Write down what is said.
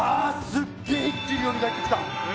すげえ一気によみがえってきた！